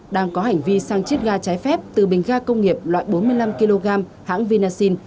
đang có hành vi sang chiết ga trái phép từ bình ga công nghiệp loại bốn mươi năm kg hãng vinasin